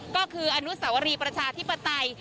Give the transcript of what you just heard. ก็คืออนุสาวรีประชาธิปไตย